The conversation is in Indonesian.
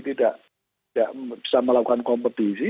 jadi tidak bisa melakukan kompetisi